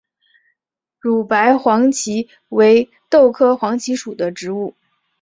乳白黄耆为豆科黄芪属的植物。